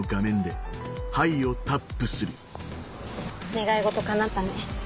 願い事叶ったね。